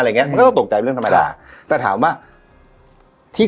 อย่างเงี้มันก็ต้องตกใจเป็นเรื่องธรรมดาแต่ถามว่าที่